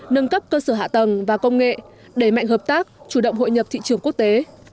nâng cấp cơ sở hạ tầng và công nghệ đẩy mạnh hợp tác chủ động hội nhập thị trường quốc tế